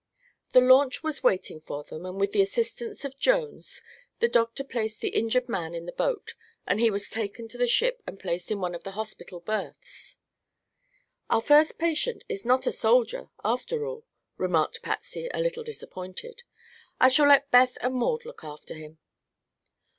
The launch was waiting for them, and with the assistance of Jones, the doctor placed the injured man in the boat and he was taken to the ship and placed in one of the hospital berths. "Our first patient is not a soldier, after all," remarked Patsy, a little disappointed. "I shall let Beth and Maud look after him."